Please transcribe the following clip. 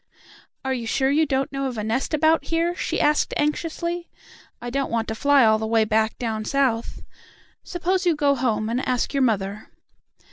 "Are you sure you don't know of a nest about here?" she asked anxiously. "I don't want to fly all the way back down South. Suppose you go home and ask your mother."